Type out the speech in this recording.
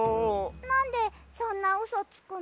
なんでそんなうそつくの？